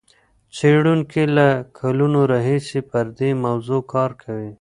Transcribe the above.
څېړونکي له کلونو راهیسې پر دې موضوع کار کوي.